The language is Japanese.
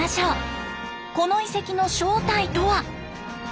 この遺跡の正体とは？